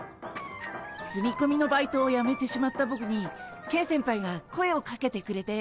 住みこみのバイトをやめてしまったボクにケン先輩が声をかけてくれて。